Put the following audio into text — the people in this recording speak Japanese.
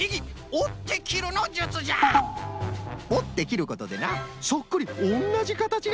おってきることでなそっくりおんなじかたちができるんじゃよ。